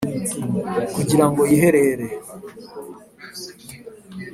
kugira ngo yiherere